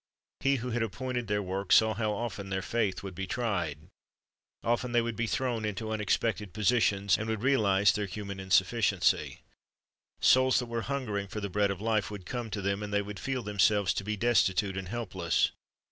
He who had appointed their work, saw how often their faith would be tried. Often they would be thrown into unexpected positions, and would realize their Asking to Give 141 human insufficiency. Souls that were hungering for the bread of hfe would come to them, and they would feel themselves to be destitute and helpless.